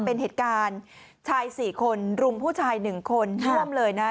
เป็นเหตุการณ์ชายสี่คนรุมผู้ชายหนึ่งคนร่วมเลยนะฮะ